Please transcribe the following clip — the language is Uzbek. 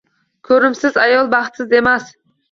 Ko‘rimsiz ayol baxtsiz emas.